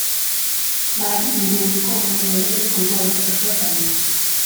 Badakit nire hurko gehienei ere kontua bost axola zaiela.